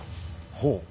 ほう。